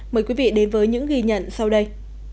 mời quý vị đến với những ghi nhận sau đây